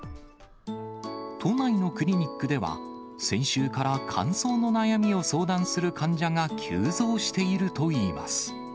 都内のクリニックでは、先週から乾燥の悩みを相談する患者が急増しているといいます。